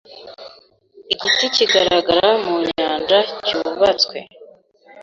igiti kigaragara mu Nyanja cyubatswe